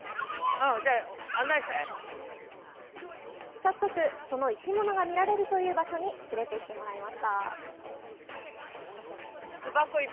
早速、その生き物が見られるという場所に連れて行ってもらいました。